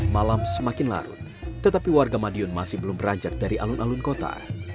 malam semakin larut tetapi warga madiun masih belum beranjak dari alun alun kota